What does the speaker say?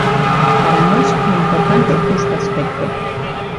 Para nós é importante este aspecto.